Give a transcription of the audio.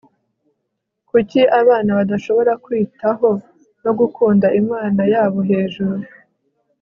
kuki abana badashobora kwitaho no gukunda imana yabo hejuru